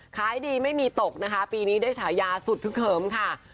ขายดีไม่มีตกนะคะปีนี้ได้ฉายาสุดทึกเหิมค่ะ